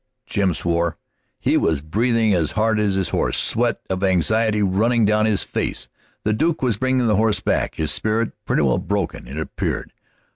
Jim swore. He was breathing as hard as his horse, sweat of anxiety running down his face. The Duke was bringing the horse back, his spirit pretty well broken, it appeared.